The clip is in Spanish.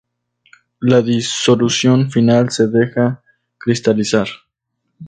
La disolución final se deja cristalizar.